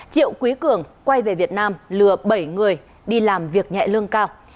triệu quý cường quay về việt nam lừa bảy người đi làm việc nhẹ lương cao